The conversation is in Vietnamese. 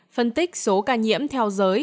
phân tích số ca nhiễm theo giới